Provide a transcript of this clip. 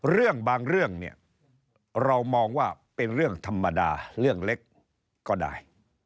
เรื่องบางเรื่องเนี่ยเรามองว่าเป็นเรื่องธรรมดาเรื่องเล็กก็ได้